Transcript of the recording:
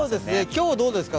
今日どうですか？